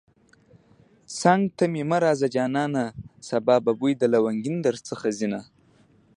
څنگ ته مې مه راځه جانانه سبا به بوی د لونگين درڅخه ځينه